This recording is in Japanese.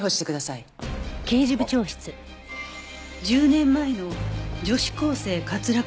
１０年前の女子高生滑落事故。